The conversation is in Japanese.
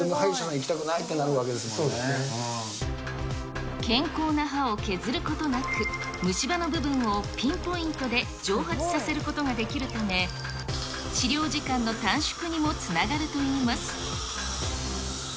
行き健康な歯を削ることなく、虫歯の部分をピンポイントで蒸発させることができるため、治療時間の短縮にもつながるといいます。